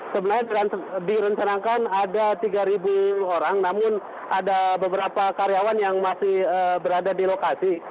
sebenarnya direncanakan ada tiga orang namun ada beberapa karyawan yang masih berada di lokasi